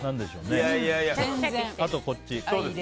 あと、こっち。